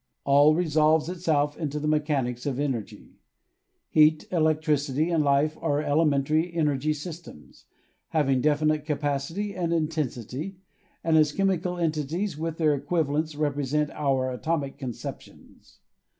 All resolves itself into the mechanics of energy. Heat, electricity and life are elementary energy systems, having definite capacity and intensity, and as chemical entities with their equivalents, represent our atomic conceptions.